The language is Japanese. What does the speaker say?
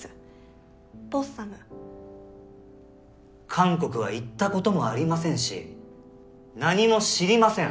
韓国は行ったこともありませんし何も知りません。